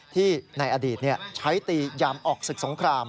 ที่ในอดีตใช้ตียามออกศึกสงคราม